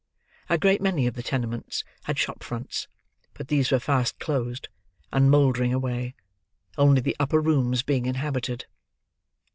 A great many of the tenements had shop fronts; but these were fast closed, and mouldering away; only the upper rooms being inhabited.